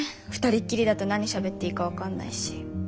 二人っきりだと何しゃべっていいか分かんないし。